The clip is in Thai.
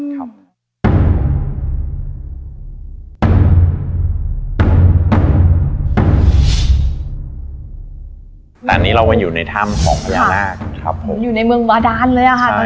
แต่อันนี้เราอยู่ในถ้ำของพญานาคอยู่ในเมืองวาดานเลยอ่ะชั้นนี้